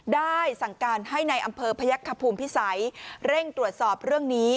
ได้สั่งการให้ในอำเภอพยักษภูมิพิสัยเร่งตรวจสอบเรื่องนี้